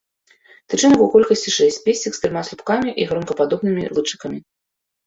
Тычынак у колькасці шэсць, песцік з трыма слупкамі і гронкападобнымі лычыкамі.